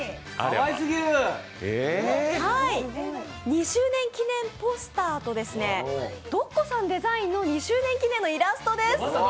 ２周年記念ポスターと、ｄｏｃｃｏさんデザインの２周年記念のイラストです。